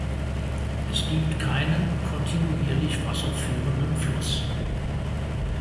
Es gibt keinen kontinuierlich Wasser führenden Fluss.